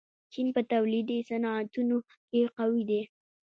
چین په تولیدي صنعتونو کې قوي دی.